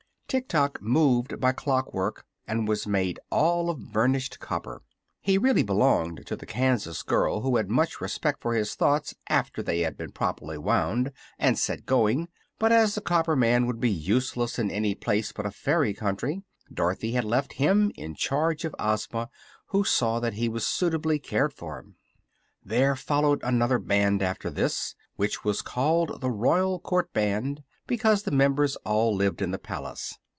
Tik tok moved by clockwork, and was made all of burnished copper. He really belonged to the Kansas girl, who had much respect for his thoughts after they had been properly wound and set going; but as the copper man would be useless in any place but a fairy country Dorothy had left him in charge of Ozma, who saw that he was suitably cared for. There followed another band after this, which was called the Royal Court Band, because the members all lived in the palace.